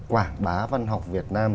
quảng bá văn học việt nam